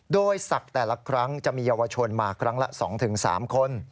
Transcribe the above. โดยศักดิ์แต่ละครั้งจะมีเยาวชนมาครั้งละ๒๓คน